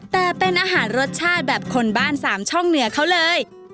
แต่เป็นอาหารรสชาติแบบคนบ้านสามช่องเหนือเขาเลย